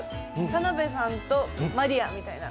田辺さんと、真莉愛みたいな。